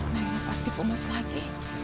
nailah pasti punget lagi